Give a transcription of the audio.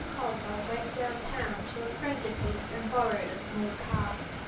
Culver went down town to a friend of his and borrowed a small car.